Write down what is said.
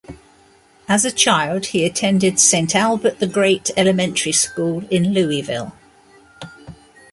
As a child he attended Saint Albert the Great Elementary School in Louisville.